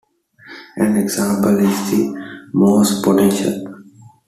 An example is the Morse potential.